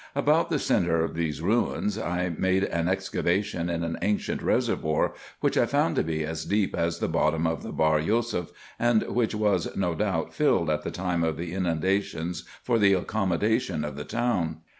About the centre of these ruins I made an excavation in an ancient reservoir, which I found to be as deep as the bottom of the Bahr Yousef, and which was no doubt filled at the time of the inundation for the accommodation of the town.